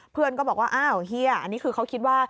เพื่อนก็บอกว่าอ้าวเฮียอันนี้คือเขาคิดว่า